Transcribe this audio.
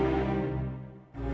aku mau ke rumah